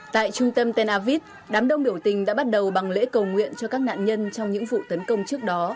tại trung tâm tenavit đám đông biểu tình đã bắt đầu bằng lễ cầu nguyện cho các nạn nhân trong những vụ tấn công trước đó